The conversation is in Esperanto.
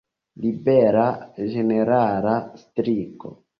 Ribela ĝenerala striko.